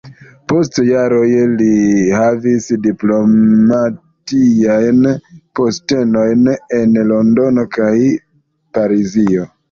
Post jaroj li havis diplomatiajn postenojn en Londono kaj Parizo.